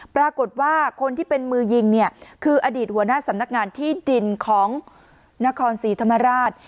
ปรากฏว่าคนที่เป็นมือยิงเนี่ยคืออดีตหัวหน้าสำนักงานที่ดินของนครศรีธรรมราช